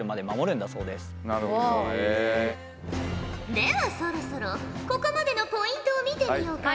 ではそろそろここまでのポイントを見てみようかのう。